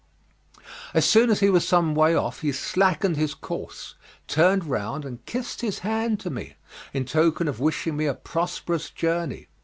As soon as he was some way off he slackened his course, turned round and kissed his hand to me, in token of wishing me a prosperous journey.